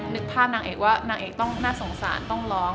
นึกภาพนางเอกว่านางเอกต้องน่าสงสารต้องร้อง